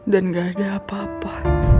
dan gak ada apa apa